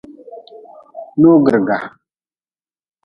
Noogriga.